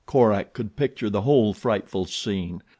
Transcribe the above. Korak could picture the whole frightful scene.